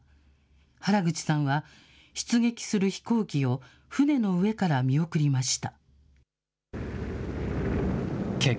原口さんは出撃する飛行機を船の上から見送りました。